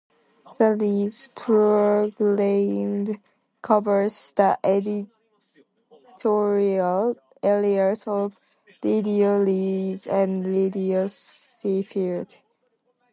The Leeds programme covers the editorial areas of Radio Leeds and Radio Sheffield.